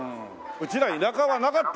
うちら田舎はなかったもん。